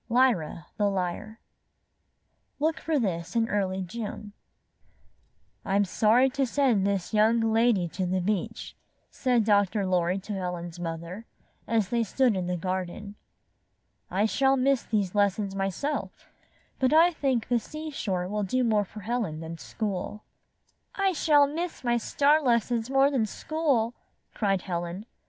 LYRA, THE LYRE Look for this in early June "I'm sorry to send this young lady to the beach," said Dr. Lorry to Helen's mother, as they stood in the garden. ''I shall miss these lessons myself, but I think the seashore will do more for Helen than school." ''I shall miss my star lessons more than school," cried Helen.